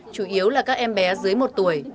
chủ yếu là các em bé dưới một tuổi